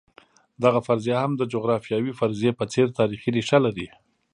دغه فرضیه هم د جغرافیوي فرضیې په څېر تاریخي ریښه لري.